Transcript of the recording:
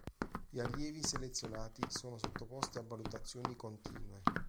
Gli allievi selezionati sono sottoposti a valutazioni continue.